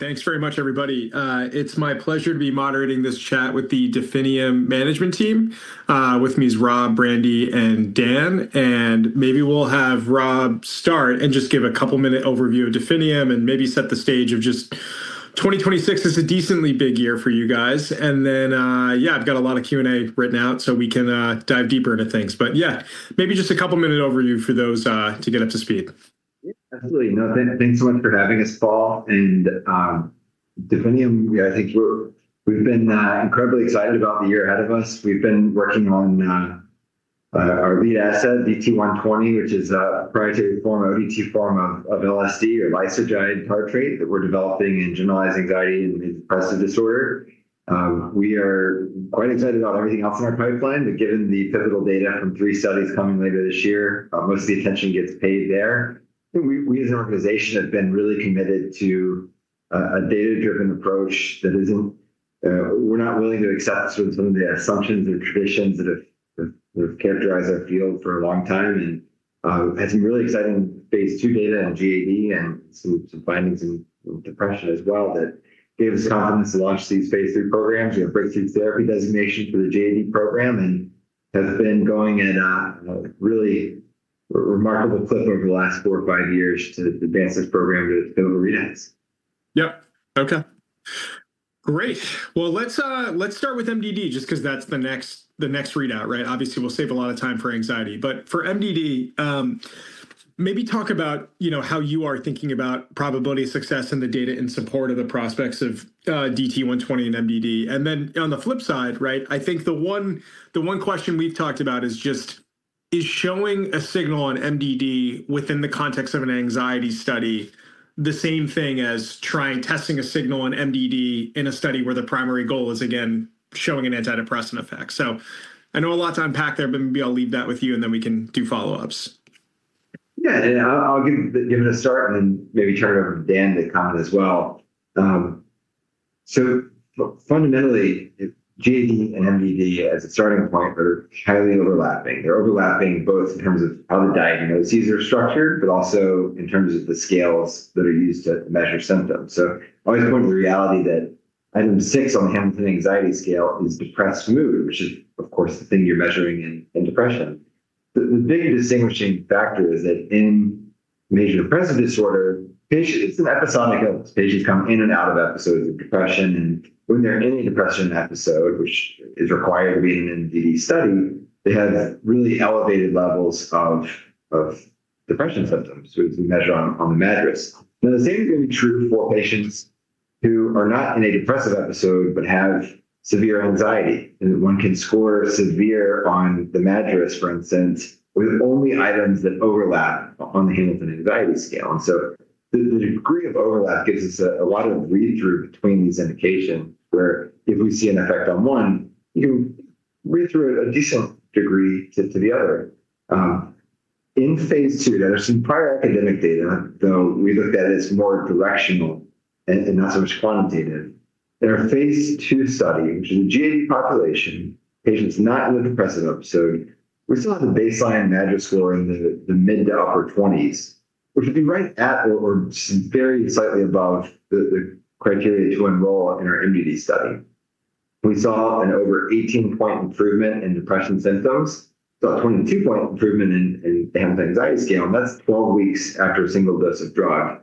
Thanks very much, everybody. It's my pleasure to be moderating this chat with the Definium management team. With me is Rob, Brandy, and Dan. Maybe we'll have Rob start and just give a couple-minute overview of Definium and maybe set the stage of just 2026 is a decently big year for you guys. Then, yeah, I've got a lot of Q&A written out, so we can dive deeper into things. Yeah, maybe just a couple-minute overview for those to get up to speed. Yeah. Absolutely. No. Thanks so much for having us, Paul. Definium, yeah, I think we've been incredibly excited about the year ahead of us. We've been working on our lead asset, DT-120, which is a proprietary form, a tartrate form of LSD or Lysergide Tartrate that we're developing in generalized anxiety and depressive disorder. We are quite excited about everything else in our pipeline, but given the pivotal data from 3 studies coming later this year, most of the attention gets paid there. We as an organization have been really committed to a data-driven approach that isn't willing to accept sort of some of the assumptions or traditions that have sort of characterized our field for a long time. had some really exciting phase II data on GAD and some findings in depression as well that gave us confidence to launch these phase III programs. We have a breakthrough therapy designation for the GAD program, and have been going at a really remarkable clip over the last 4 or 5 years to advance this program to the clinical readouts. Yep. Okay. Great. Well, let's start with MDD, just 'cause that's the next readout, right? Obviously, we'll save a lot of time for anxiety. For MDD, maybe talk about, you know, how you are thinking about probability of success and the data in support of the prospects of DT-120 and MDD. Then on the flip side, right, I think the 1 question we've talked about is just, is showing a signal on MDD within the context of an anxiety study the same thing as trying to test a signal on MDD in a study where the primary goal is again showing an antidepressant effect? I know a lot to unpack there, but maybe I'll leave that with you, and then we can do follow-ups. Yeah. I'll give it a start and then maybe turn it over to Dan to comment as well. Fundamentally, if GAD and MDD as a starting point are highly overlapping, they're overlapping both in terms of how the diagnoses are structured, but also in terms of the scales that are used to measure symptoms. Always point to the reality that item 6 on the Hamilton Anxiety Scale is depressed mood, which is of course the thing you're measuring in depression. The big distinguishing factor is that in major depressive disorder, it's an episodic illness. Patients come in and out of episodes of depression, and when they're in a depression episode, which is required to be in an MDD study, they have really elevated levels of depression symptoms, so it's a measure on the MADRS. Now, the same is going to be true for patients who are not in a depressive episode but have severe anxiety, and 1 can score severe on the MADRS, for instance, with only items that overlap on the Hamilton Anxiety Scale. The degree of overlap gives us a lot of readthrough between these indications, where if we see an effect on one, you read through it a decent degree to the other. In phase II, there is some prior academic data, though we looked at it as more directional and not so much quantitative. In our phase II study, which is a GAD population, patients not in a depressive episode, we still have the baseline MADRS score in the mid- to upper 20's, which would be right at or just very slightly above the criteria to enroll in our MDD study. We saw an over 18-point improvement in depression symptoms, saw a 22-point improvement in the Hamilton Anxiety Scale, and that's 12 weeks after a single dose of drug.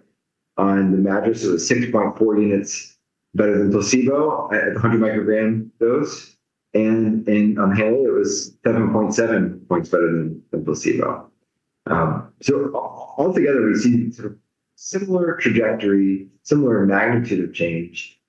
On the MADRS, it was 6.4 units better than placebo at the 100 microgram dose and on HAM-A, it was 7.7 points better than placebo. Altogether, we've seen sort of similar trajectory, similar magnitude of change.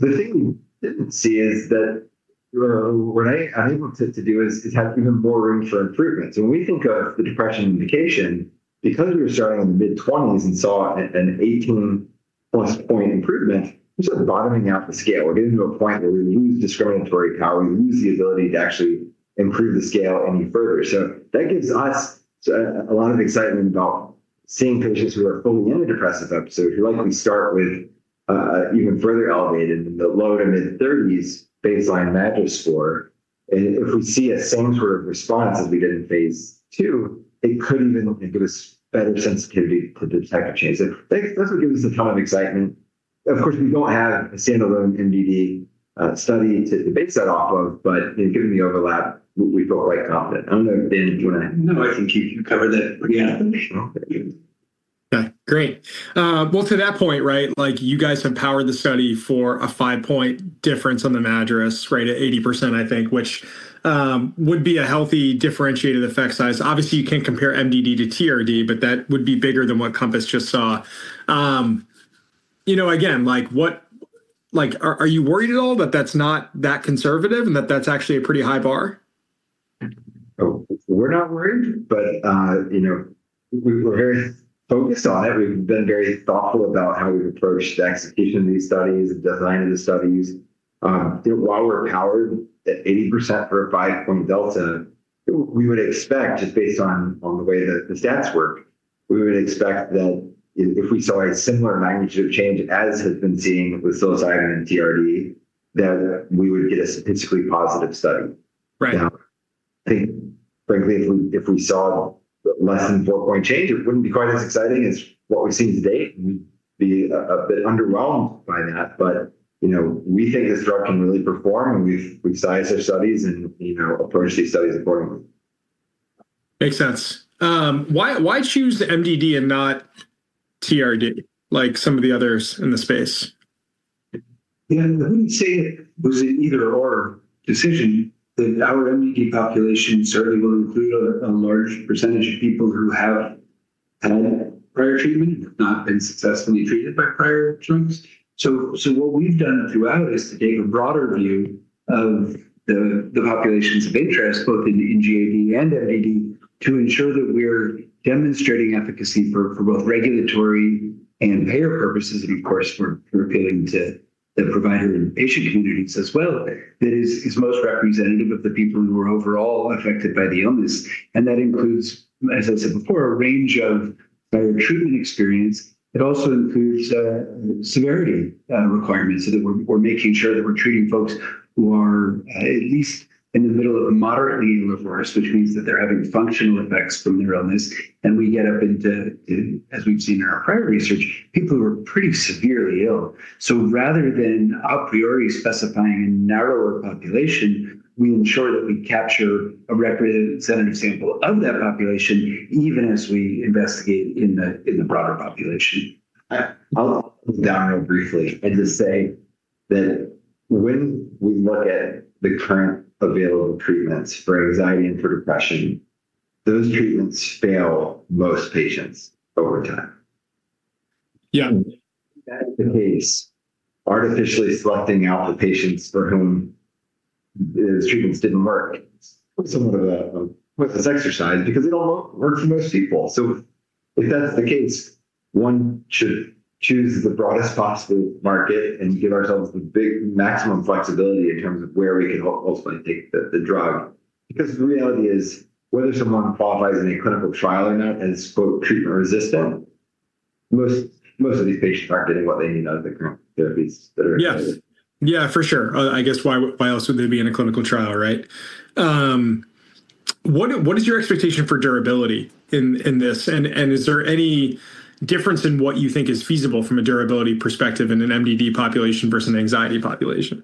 The thing we didn't see is that, you know, what I think we have to do is have even more room for improvements. When we think of the depression indication, because we were starting in the mid-20s and saw an 18+-point improvement, we're sort of bottoming out the scale. We're getting to a point where we lose discriminatory power, we lose the ability to actually improve the scale any further. That gives us a lot of excitement about seeing patients who are fully in a depressive episode, who likely start with even further elevated in the low- to mid-30's baseline MADRS score. If we see the same sort of response as we did in phase II, it could even give us better sensitivity to detect a change. That's what gives us a ton of excitement. Of course, we don't have a standalone MDD study to base that off of, but you know, given the overlap, we feel very confident. I don't know, Dan, do you want to add? No, I think you covered it pretty well. Yeah. Sure. Thank you. Yeah. Great. Well, to that point, right, like you guys have powered the study for a 5-point difference on the MADRS, right, at 80%, I think, which would be a healthy differentiated effect size. Obviously, you can't compare MDD to TRD, but that would be bigger than what Compass just saw. You know, again, like are you worried at all that that's not that conservative and that that's actually a pretty high bar? Oh, we're not worried, but, you know, we're very focused on it. We've been very thoughtful about how we've approached the execution of these studies, the design of the studies. While we're powered at 80% for a 5-point delta, we would expect just based on the way that the stats work, we would expect that if we saw a similar magnitude of change as has been seen with psilocybin and TRD, that we would get a statistically positive study. Right. I think frankly, if we saw less than 4-point change, it wouldn't be quite as exciting as what we've seen to date. We'd be a bit underwhelmed by that. You know, we think this drug can really perform, and we've sized our studies and, you know, approached these studies accordingly. Makes sense. Why choose MDD and not TRD like some of the others in the space? Yeah. I wouldn't say it was an either/or decision that our MDD population certainly will include a large percentage of people who have had prior treatment and have not been successfully treated by prior drugs. What we've done throughout is to take a broader view of the populations of interest, both in GAD and MDD, to ensure that we're demonstrating efficacy for both regulatory and payer purposes, and of course, we're appealing to the provider and patient communities as well, that is most representative of the people who are overall affected by the illness. That includes, as I said before, a range of prior treatment experience. It also includes severity requirements, so that we're making sure that we're treating folks who are at least in the middle of moderately severe, which means that they're having functional effects from their illness. We get up into, as we've seen in our prior research, people who are pretty severely ill. Rather than a priori specifying a narrower population, we ensure that we capture a representative sample of that population even as we investigate in the broader population. I'll dumb it down briefly and just say that when we look at the current available treatments for anxiety and for depression, those treatments fail most patients over time. Yeah. If that's the case, artificially selecting out the patients for whom the treatments didn't work is somewhat of a worthless exercise because it all works for most people. If that's the case, 1 should choose the broadest possible market and give ourselves the big maximum flexibility in terms of where we could ultimately take the drug. Because the reality is, whether someone qualifies in a clinical trial or not as, quote, "treatment-resistant," most of these patients aren't getting what they need out of the current therapies that are available. Yes. Yeah, for sure. I guess why else would they be in a clinical trial, right? What is your expectation for durability in this? Is there any difference in what you think is feasible from a durability perspective in an MDD population versus an anxiety population?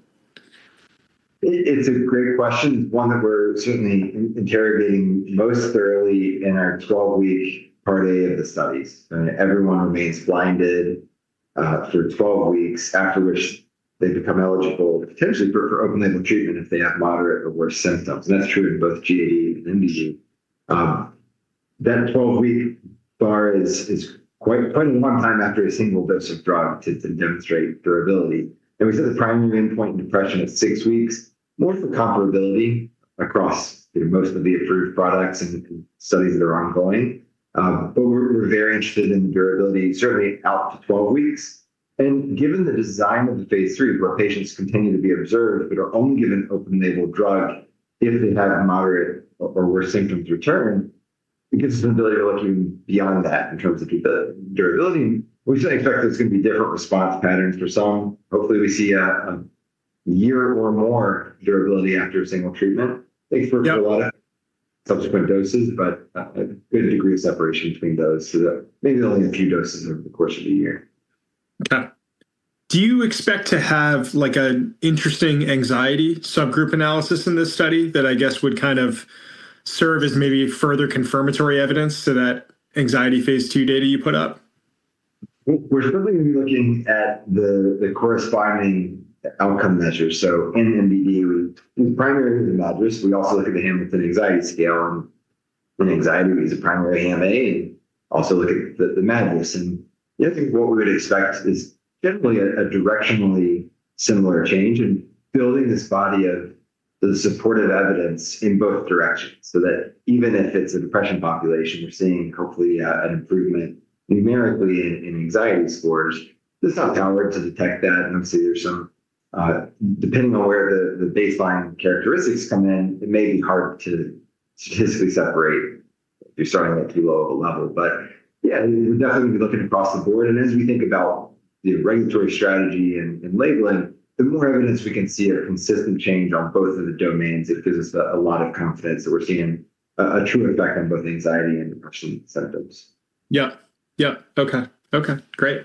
It's a great question. One that we're certainly interrogating most thoroughly in our 12-week Part A of the studies. Everyone remains blinded for 12 weeks, after which they become eligible potentially for open-label treatment if they have moderate or worse symptoms, and that's true in both GAD and MDD. That 12-week bar is quite a long time after a single dose of drug to demonstrate durability. We set the primary endpoint in depression at 6 weeks more for comparability across, you know, most of the approved products and studies that are ongoing. We're very interested in durability, certainly out to 12 weeks. Given the design of the phase III, where patients continue to be observed but are only given open-label drug if they have moderate or worse symptoms return, it gives us an ability of looking beyond that in terms of the durability. We certainly expect there's gonna be different response patterns for some. Hopefully, we see a year or more durability after a single treatment. Think of a lot of subsequent doses, but a good degree of separation between those, so that maybe only a few doses over the course of a year. Okay. Do you expect to have like an interesting anxiety subgroup analysis in this study that I guess would kind of serve as maybe further confirmatory evidence to that anxiety phase II data you put up? We're certainly gonna be looking at the corresponding outcome measures. In MDD, we also look at the Hamilton Anxiety Scale and anxiety as a primary HAM-A, and also look at the MADRS. Yeah, I think what we would expect is definitely a directionally similar change in building this body of the supportive evidence in both directions, so that even if it's a depression population, we're seeing hopefully an improvement numerically in anxiety scores. This is not powered to detect that. Obviously, there's some depending on where the baseline characteristics come in, it may be hard to statistically separate if you're starting at too low of a level. Yeah, we're definitely gonna be looking across the board. As we think about the regulatory strategy and labeling, the more evidence we can see a consistent change on both of the domains, it gives us a lot of confidence that we're seeing a true effect on both anxiety and depression symptoms. Okay. Great.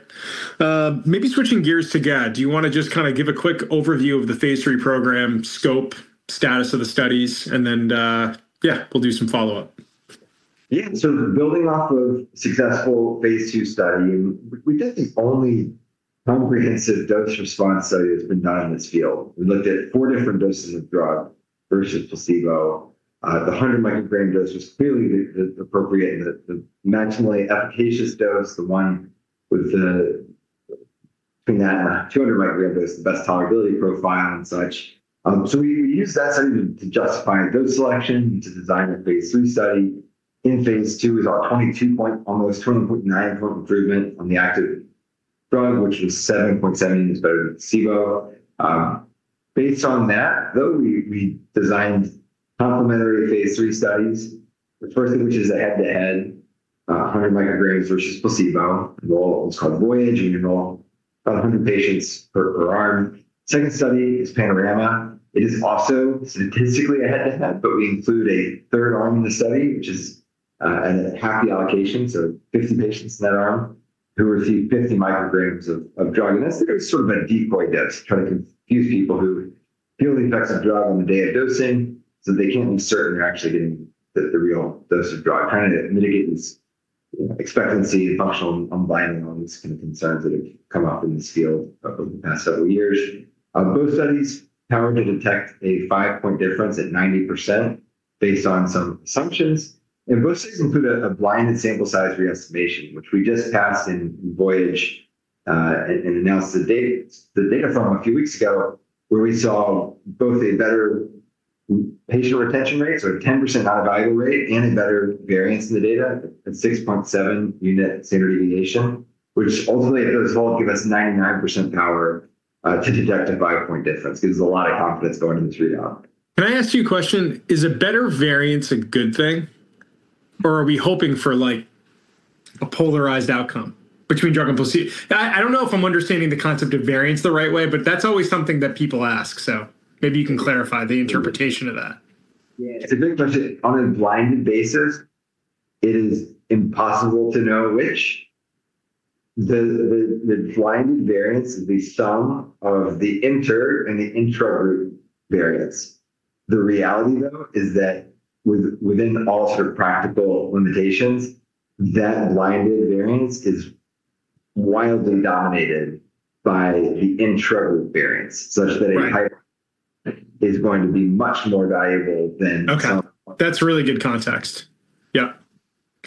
Maybe switching gears to GAD, do you wanna just kinda give a quick overview of the phase III program scope, status of the studies, and then, yeah, we'll do some follow-up? Yeah. Building off of successful phase II study, we did the only comprehensive dose response study that's been done in this field. We looked at 4 different doses of drug versus placebo. The 100 microgram dose was clearly the appropriate and the maximally efficacious dose. The one with the 200 microgram dose, the best tolerability profile and such. We used that study to justify a dose selection to design a phase III study. In phase II is our 22-point, almost 20.9 improvement on the active drug, which was 7.7 is better than placebo. Based on that, though, we designed complementary phase III studies, the first of which is a head-to-head. A 100 micrograms versus placebo. The trial was called Voyage. You can enroll about 100 patients per arm. Second study is Panorama. It is also statistically a head-to-head, but we include a third arm in the study, which is half the allocation, so 50 patients in that arm who receive 50 micrograms of drug. That's sort of a decoy dose to try to confuse people who feel the effects of drug on the day of dosing, so they can't be certain they're actually getting the real dose of drug. Kinda mitigate this expectancy and functional unblinding, all these kind of concerns that have come up in this field over the past several years. Both studies power to detect a 5-point difference at 90% based on some assumptions. Both studies include a blinded sample size re-estimation, which we just passed in VOYAGE, and announced the data from a few weeks ago where we saw both a better patient retention rate, so a 10% not evaluate rate and a better variance in the data at 6.7 unit standard deviation, which ultimately at those levels give us 99% power to detect a 5-point difference. Gives a lot of confidence going into 3 arm. Can I ask you a question? Is a better variance a good thing or are we hoping for like a polarized outcome between drug and placebo? I don't know if I'm understanding the concept of variance the right way, but that's always something that people ask, so maybe you can clarify the interpretation of that. Yeah. It's a big question. On a blinded basis, it is impossible to know which. The blinded variance is the sum of the inter and the intra-group variance. The reality though is that within all sorts of practical limitations, that blinded variance is wildly dominated by the intra-group variance such that. Right is going to be much more valuable than some. Okay. That's really good context. Yeah.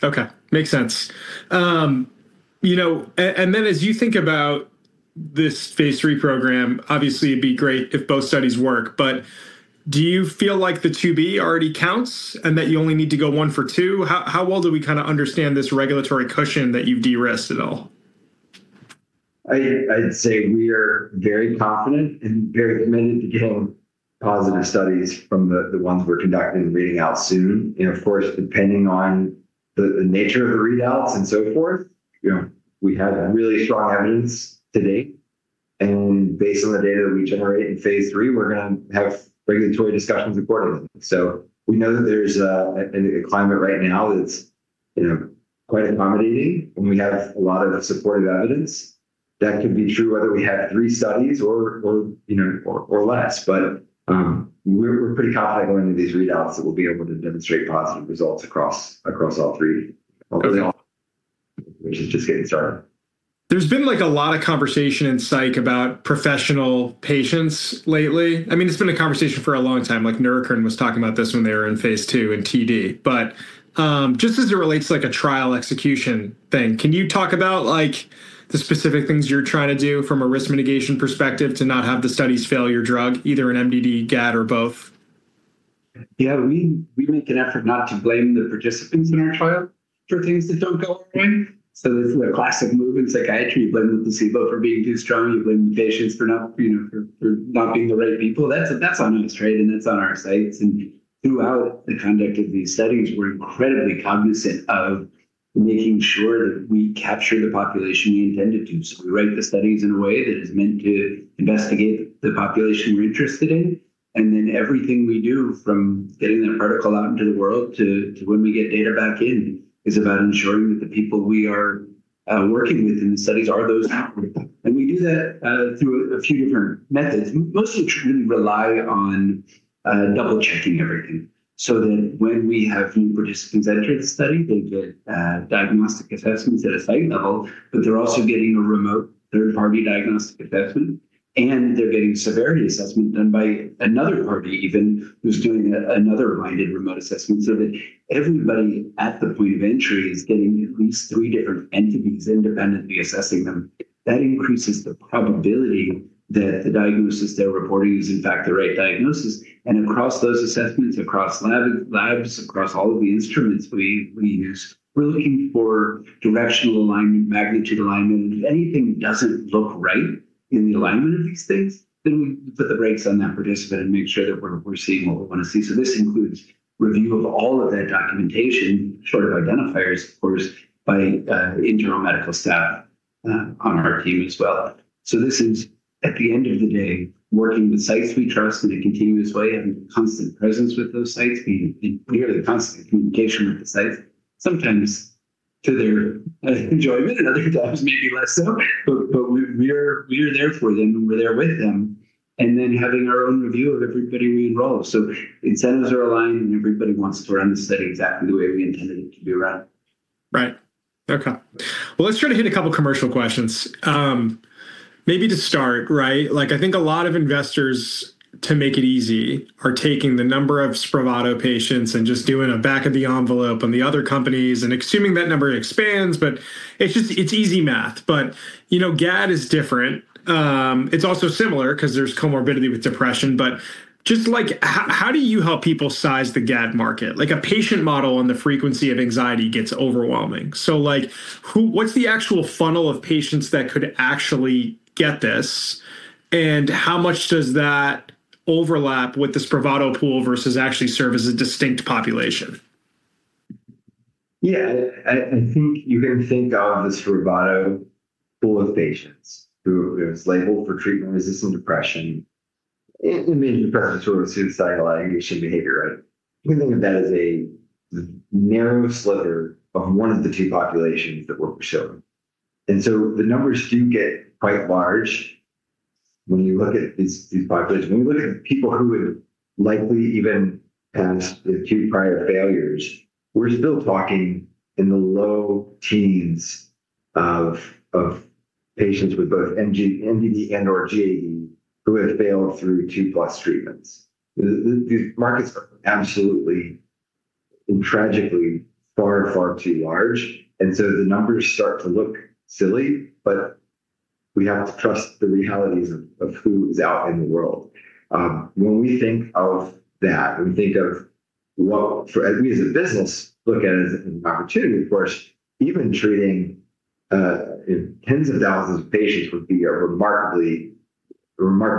Okay. Makes sense. You know, and then as you think about this phase III program, obviously it'd be great if both studies work, but do you feel like the 2B already counts and that you only need to go 1 for 2? How well do we kinda understand this regulatory cushion that you've de-risked it all? I'd say we are very confident and very committed to getting positive studies from the ones we're conducting and reading out soon. Of course, depending on the nature of the readouts and so forth, you know, we have really strong evidence to date, and based on the data that we generate in phase III, we're gonna have regulatory discussions accordingly. We know that there's a climate right now that's, you know, quite accommodating, and we have a lot of supportive evidence that can be true whether we have 3 studies or, you know, or less. We're pretty confident going into these readouts that we'll be able to demonstrate positive results across all 3 which is just getting started. There's been like a lot of conversation in psych about professional patients lately. I mean, it's been a conversation for a long time, like Neurocrine was talking about this when they were in phase II and TD. Just as it relates to like a trial execution thing, can you talk about like the specific things you're trying to do from a risk mitigation perspective to not have the studies fail your drug either in MDD, GAD or both? Yeah. We make an effort not to blame the participants in our trial for things that don't go our way. This is a classic move in psychiatry. You blame the placebo for being too strong. You blame the patients for not, you know, for not being the right people. That's on us, right? That's on our sites. Throughout the conduct of these studies, we're incredibly cognizant of making sure that we capture the population we intended to. We write the studies in a way that is meant to investigate the population we're interested in, and then everything we do from getting that protocol out into the world to when we get data back in is about ensuring that the people we are working with in the studies are those out. We do that through a few different methods. We mostly truly rely on double-checking everything so that when we have new participants enter the study, they get diagnostic assessments at a site level, but they're also getting a remote third-party diagnostic assessment, and they're getting severity assessment done by another party even who's doing another blinded remote assessment so that everybody at the point of entry is getting at least 3 different entities independently assessing them. That increases the probability that the diagnosis they're reporting is in fact the right diagnosis. Across those assessments, across labs, across all of the instruments we use, we're looking for directional alignment, magnitude alignment. If anything doesn't look right in the alignment of these things, then we put the brakes on that participant and make sure that we're seeing what we want to see. This includes review of all of their documentation, short of identifiers of course, by internal medical staff on our team as well. This is at the end of the day, working with sites we trust in a continuous way and constant presence with those sites. We are the constant communication with the sites, sometimes to their enjoyment and other times maybe less so. We're there for them and we're there with them, and then having our own review of everybody we enroll. Incentives are aligned and everybody wants to run the study exactly the way we intended it to be run. Right. Okay. Well, let's try to hit a couple commercial questions. Maybe to start, right, like I think a lot of investors to make it easy are taking the number of SPRAVATO patients and just doing a back of the envelope on the other companies and assuming that number expands. It's just it's easy math, but you know, GAD is different. It's also similar 'cause there's comorbidity with depression, but just like how do you help people size the GAD market? Like a patient model on the frequency of anxiety gets overwhelming. Like what's the actual funnel of patients that could actually get this and how much does that overlap with the SPRAVATO pool versus actually serve as a distinct population. Yeah. I think you can think of the SPRAVATO pool of patients who is labeled for treatment-resistant depression in the presence of suicidal ideation behavior, right? We think of that as the narrow sliver of 1 of the 2 populations that we're showing. The numbers do get quite large when you look at these populations. When you look at people who would likely even pass the acute prior failures, we're still talking in the low teens of patients with both MDD and/or GAD who have failed through 2+ treatments. These markets are absolutely and tragically far too large, and so the numbers start to look silly, but we have to trust the realities of who is out in the world. When we think of that and think of as we as a business look at it as an opportunity, of course, even treating tens of thousands of patients would be a remarkable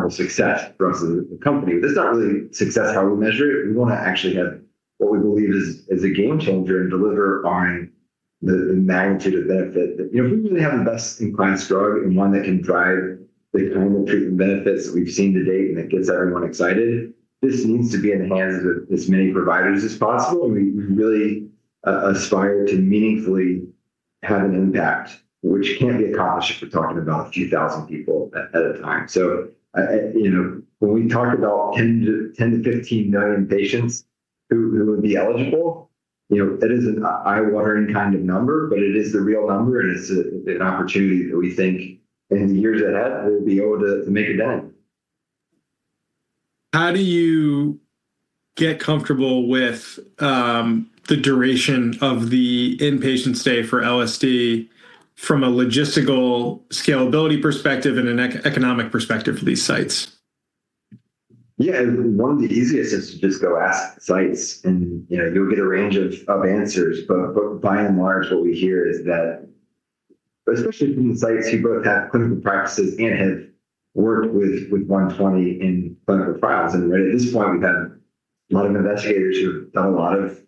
success for us as a company. That's not really success how we measure it. We want to actually have what we believe is a game changer and deliver on the magnitude of benefit that, you know, if we really have the best-in-class drug and one that can drive the kind of treatment benefits that we've seen to date, and it gets everyone excited, this needs to be in the hands of as many providers as possible, and we really aspire to meaningfully have an impact, which can't be accomplished if we're talking about a few thousand people at a time. You know, when we talk about 10 to 15 million patients who would be eligible, you know, that is an eye-watering kind of number, but it is the real number, and it's an opportunity that we think in the years ahead we'll be able to make a dent. How do you get comfortable with the duration of the inpatient stay for LSD from a logistical scalability perspective and an economic perspective for these sites? Yeah. One of the easiest is to just go ask sites and, you know, you'll get a range of answers. By and large, what we hear is that, especially from sites who both have clinical practices and have worked with 120 in clinical trials, and right at this point we've had a lot of investigators who have done a lot of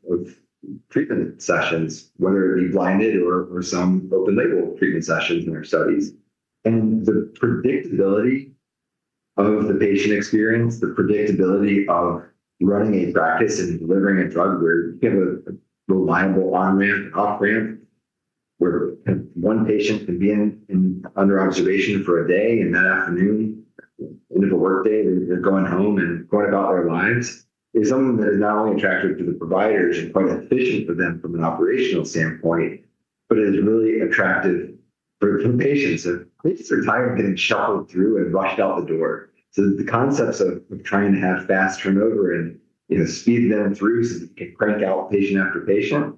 treatment sessions, whether it be blinded or some open label treatment sessions in our studies. The predictability of the patient experience, the predictability of running a practice and delivering a drug where you have a reliable on-ramp and off-ramp, where 1 patient could be in under observation for a day and that afternoon, end of a workday, they're going home and going about their lives, is something that is not only attractive to the providers and quite efficient for them from an operational standpoint. It is really attractive for patients. Patients are tired of being shuffled through and rushed out the door. The concepts of trying to have fast turnover and, you know, speed them through so they can crank out patient after patient,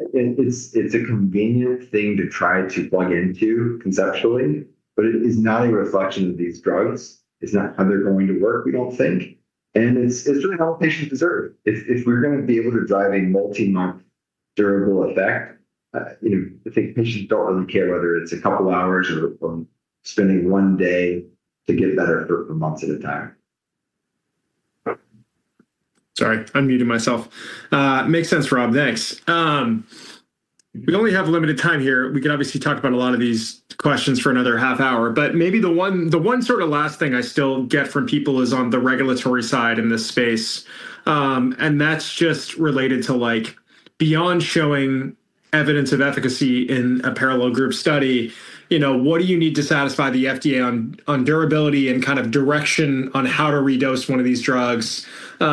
it's a convenient thing to try to plug into conceptually, but it is not a reflection of these drugs. It's not how they're going to work, we don't think, and it's really not what patients deserve. If we're going to be able to drive a multi-month durable effect, you know, I think patients don't really care whether it's a couple hours or spending one day to get better for months at a time. Sorry, I muted myself. Makes sense, Rob. Thanks. We only have limited time here. We could obviously talk about a lot of these questions for another half hour, but maybe the one sort of last thing I still get from people is on the regulatory side in this space. That's just related to, like, beyond showing evidence of efficacy in a parallel group study. You know, what do you need to satisfy the FDA on durability and kind of direction on how to redose one of these drugs? You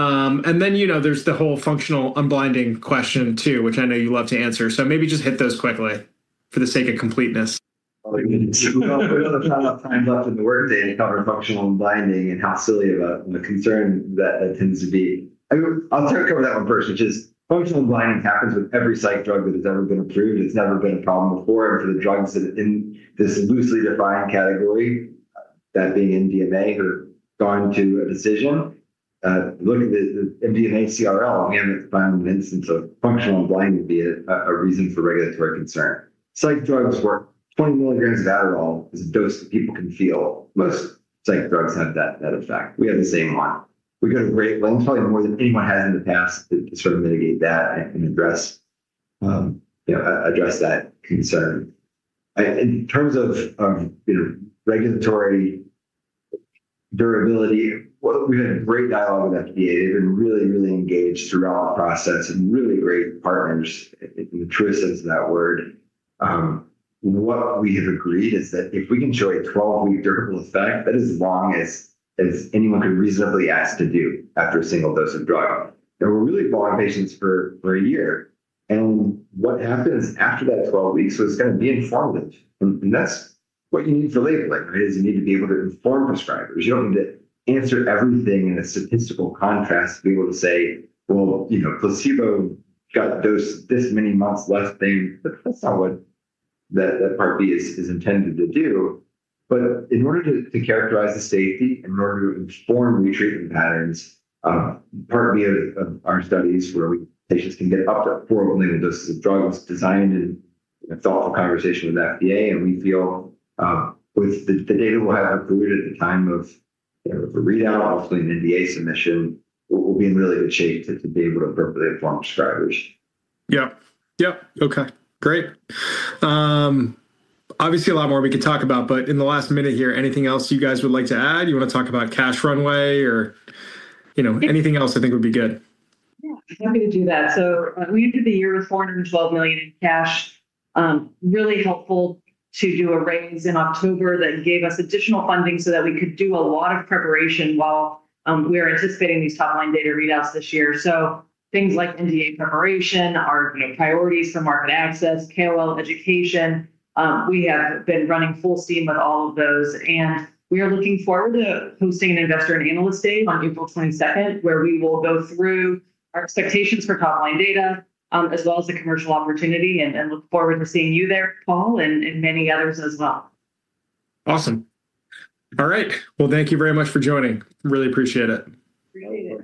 know, there's the whole functional unblinding question too, which I know you love to answer. Maybe just hit those quickly for the sake of completeness. We don't have time left in the workday to cover functional unblinding and how silly of a concern that tends to be. I mean, I'll sort of cover that one first, which is functional unblinding happens with every psych drug that has ever been approved. It's never been a problem before. For the drugs that are in this loosely defined category, that being MDMA, which has gone to a decision, look at the MDMA CRL, we haven't found an instance of functional unblinding being a reason for regulatory concern. Psych drugs where 20 milligrams of Adderall is a dose that people can feel. Most psych drugs have that effect. We have the same one. We've gone to great lengths, probably more than anyone had in the past to sort of mitigate that and address, you know, that concern. In terms of, you know, regulatory durability, we had a great dialogue with FDA. They've been really engaged throughout process and really great partners in the true sense of that word. What we have agreed is that if we can show a 12-week durable effect, that is as long as anyone could reasonably ask to do after a single dose of drug. We're really following patients for a year, and what happens after that 12 weeks is going to be informative, and that's what you need for labeling, right? Is you need to be able to inform prescribers. You don't need to answer everything in a statistical contrast to be able to say, "Well, you know, placebo got dose this many months less thing," but that's not what that Part B is intended to do. In order to characterize the safety, in order to inform retreatment patterns, part B of our studies where patients can get up to 400 milligrams of drugs designed in a thoughtful conversation with FDA. We feel with the data we'll have accrued at the time of, you know, the readout, hopefully an NDA submission, we'll be in really good shape to be able to appropriately inform prescribers. Yep. Okay, great. Obviously a lot more we could talk about, but in the last minute here, anything else you guys would like to add? You wanna talk about cash runway or, you know, anything else I think would be good. Yeah, happy to do that. We ended the year with $412 million in cash. Really helpful to do a raise in October that gave us additional funding so that we could do a lot of preparation while we are anticipating these top-line data readouts this year. Things like NDA preparation, our, you know, priorities for market access, KOL education, we have been running full steam with all of those, and we are looking forward to hosting an investor and analyst day on April 22nd, where we will go through our expectations for top-line data, as well as the commercial opportunity, and look forward to seeing you there, Paul, and many others as well. Awesome. All right. Well, thank you very much for joining. Really appreciate it. Really appreciate it.